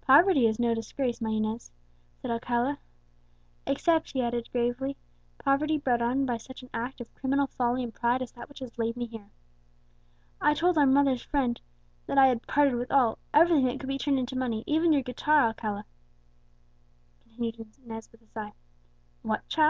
"Poverty is no disgrace, my Inez," said Alcala; "except," he added gravely, "poverty brought on by such an act of criminal folly and pride as that which has laid me here." "I told our mother's friend that I had parted with all, everything that could be turned into money, even your guitar, Alcala," continued Inez with a sigh. "'What, child!'